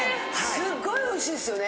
すっごいおいしいですよね。